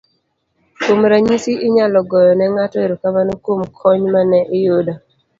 kuom ranyisi inyalo goyo ne ng'ato erokamano kuom kony mane iyudo